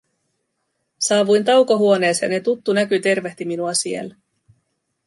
Saavuin taukohuoneeseen, ja tuttu näky tervehti minua siellä.